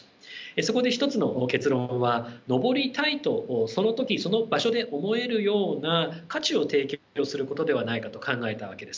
そこで１つの結論は上りたいとその時その場所で思えるような価値を提供することではないかと考えたわけです。